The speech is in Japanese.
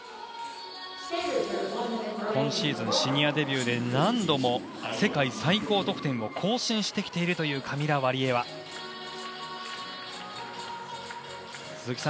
今シーズンシニアデビューで何度も世界最高得点を更新しているカミラ・ワリエワです。